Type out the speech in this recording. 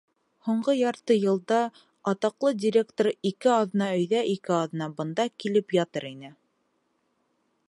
Һуңғы ярты йылда атаҡлы директор ике аҙна өйҙә, ике аҙна бында килеп ятыр ине.